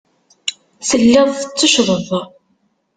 Telliḍ tetteccḍeḍ.